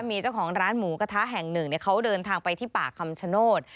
มีเจ้าของร้านหมูกระทะแห่งหนึ่งเขาเดินทางไปที่ป่าคำชโนธ